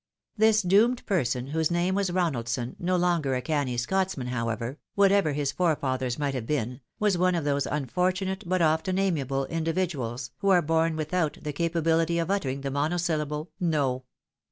This doomed person, whose name was Konaldson, no longer a canny Scotsman, however, whatever his forefathers might have been, was one of those unfortunate, but often amiable, indi viduals, who are born without the capabihty of uttering the monosyllable No.